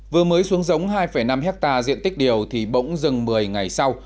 vừa mới xuống giống hai năm hectare diện tích điều thì bỗng dừng một mươi ngày sau